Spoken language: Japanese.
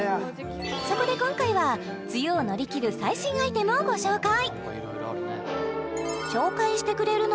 そこで今回は梅雨を乗り切る最新アイテムをご紹介